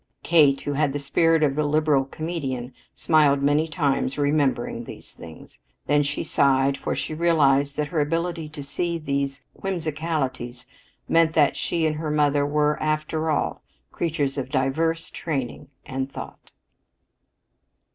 Kate, who had the spirit of the liberal comedian, smiled many times remembering these things. Then she sighed, for she realized that her ability to see these whimsicalities meant that she and her mother were, after all, creatures of diverse training and thought.